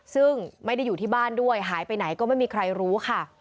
ซึ่งไม่ได้อยู่ที่บ้านด้วยหายไปไหนก็ไม่มีใครรู้ค่ะ